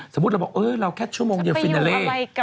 สมมติเราแค่ชั่วโมงเดียวฟินาเล